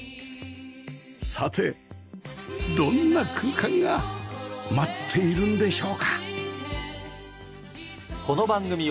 さてどんな空間が待っているんでしょうか？